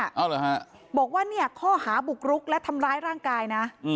เอาเหรอฮะบอกว่าเนี่ยข้อหาบุกรุกและทำร้ายร่างกายนะ